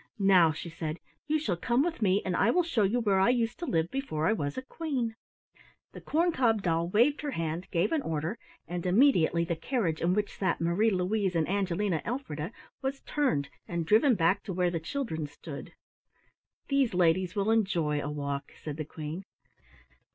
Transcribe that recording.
"Now," she said, "you shall come with me and I will show you where I used to live before I was a Queen." The corn cob doll waved her hand, gave an order, and immediately the carriage in which sat Marie Louise and Angelina Elfrida was turned and driven back to where the children stood. "These ladies will enjoy a walk," said the Queen.